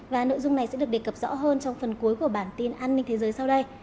và nội dung này sẽ được đề cập rõ hơn trong phần cuối của bản tin an ninh thế giới sau đây